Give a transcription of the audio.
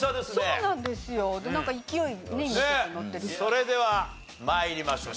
それでは参りましょう。